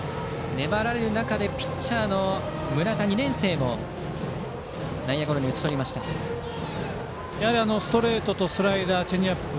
粘られる中でピッチャーの村田、２年生もやはりストレートとスライダー、チェンジアップ。